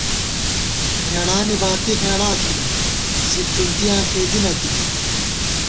ہېڑانی باتی ہېڑا تھنی ، زِپ ٹُنٹِیاں فېدِی نہ تِنی